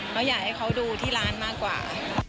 ก็อยากให้เขาดูที่ร้านมากกว่า